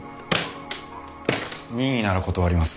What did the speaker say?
任意なら断ります。